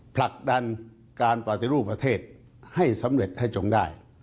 ผลักดันการปฏิรูปประเทศให้สำเร็จให้จงได้